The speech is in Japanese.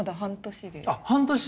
あっ半年！